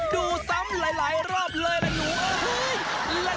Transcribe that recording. ดูซ้ำหลายรอบเลยล่ะหนู